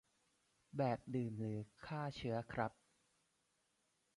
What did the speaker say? แบบดื่มหรือฆ่าเชื้อครับ